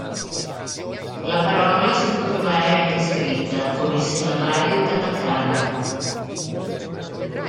La parola si può trovare anche scritta サカキ, con il sillabario katakana.